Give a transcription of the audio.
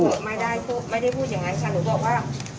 ไม่ได้พูดไม่ได้พูดอย่างนั้นค่ะ